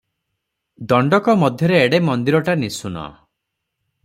ଦଣ୍ଡକ ମଧ୍ୟରେ ଏଡେ ମନ୍ଦିରଟା ନିଶୂନ ।